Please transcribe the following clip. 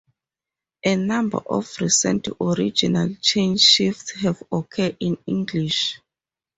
A number of recent regional chain shifts have occurred in English.